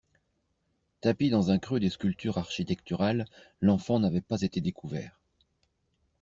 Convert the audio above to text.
Tapi dans un creux des sculptures architecturales, l'enfant n'avait pas été découvert.